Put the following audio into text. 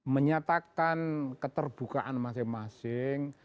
menyatakan keterbukaan masing masing